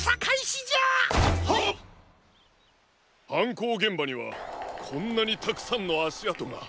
こうげんばにはこんなにたくさんのあしあとが。